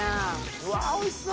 うわおいしそう！